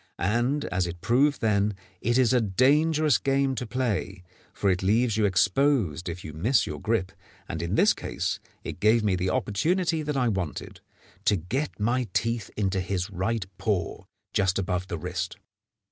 And, as it proved then, it is a dangerous game to play, for it leaves you exposed if you miss your grip, and in this case it gave me the opportunity that I wanted, to get my teeth into his right paw just above the wrist.